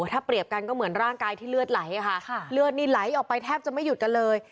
ถ้าเปรียบกันก็เหมือนร่างกายที่เลือดไหลค่ะเลือดนี่ไหลออกไปแทบจะไม่หยุดกันเลย